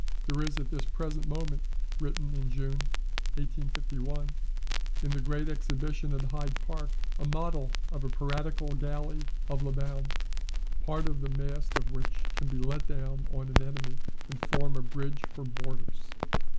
[There is at this present moment [written in June, 1851] in the Great Exhibition at Hyde Park a model of a piratical galley of Labuan, part of the mast of which can be let down on an enemy, and form a bridge for boarders.